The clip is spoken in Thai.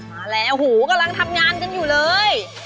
มาแล้วหูกำลังทำงานกันอยู่เลย